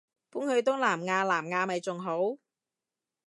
搬去東南亞南亞咪仲好